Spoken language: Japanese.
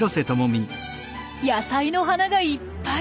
野菜の花がいっぱい。